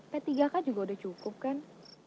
p tiga k juga udah cukup kan